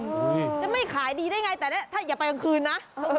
ถ้าม้ายังไม่ขายดีได้ไงแต่แหละอย่าไปกลางคืนนะ